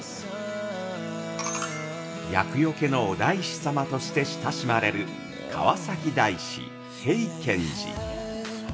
「厄よけのお大師さま」として親しまれる川崎大師平間寺。